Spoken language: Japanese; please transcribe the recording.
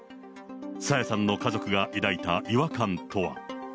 朝芽さんの家族が抱いた違和感とは。